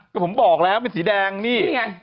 ก็ผมบอกแล้วเป็นสีแดงนี่ไง